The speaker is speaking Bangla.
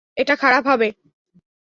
এটা খারাপ হবে।